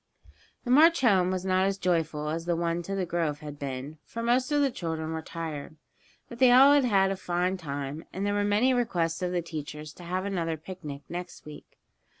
The march home was not as joyful as the one to the grove had been, for most of the children were tired. But they all had had a fine time, and there were many requests of the teachers to have another picnic the next week.